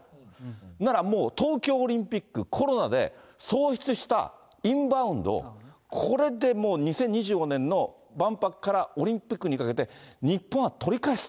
奈良、もう東京オリンピック、コロナで喪失したインバウンドを、これでもう２０２５年の万博からオリンピックにかけて、日本は取り返す。